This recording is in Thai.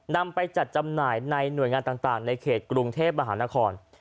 นำไปจัดจำหน่ายในหน่วยงานต่างในเขตกรุงเทพมหานคร